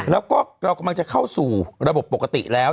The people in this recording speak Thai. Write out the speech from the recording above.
แล้วก็เรากำลังจะเข้าสู่ระบบปกติแล้ว